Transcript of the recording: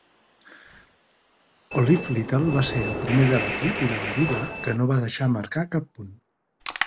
Olive Little va ser el primer de l'equip i de la lliga que no va deixar marcar cap punt.